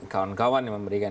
kawan kawan yang memberikan